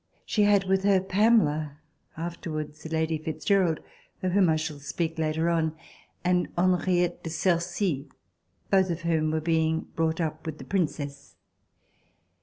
She had with her Pamela, afterwards Lady Fitz Gerald, of whom I shall speak later on, and Henriette de Sercey, both of whom were being brought up with the Princess.